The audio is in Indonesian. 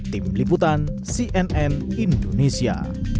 tim liputan cnn indonesia